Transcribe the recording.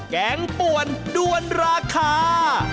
แกงป่วนด้วนราคา